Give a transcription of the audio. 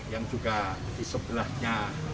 yang juga di sebelahnya